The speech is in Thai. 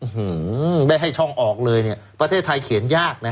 หือไม่ให้ช่องออกเลยเนี่ยประเทศไทยเขียนยากนะ